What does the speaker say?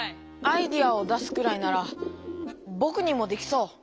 アイデアを出すくらいならぼくにもできそう。